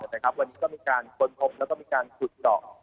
วันนี้ก็มีการค้นพบแล้วก็มีการขุดเจาะ